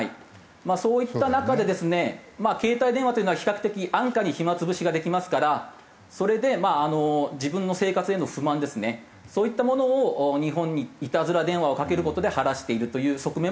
そういった中でですね携帯電話というのは比較的安価に暇潰しができますからそれで自分の生活への不満ですねそういったものを日本にいたずら電話をかける事で晴らしているという側面もあるかと思います。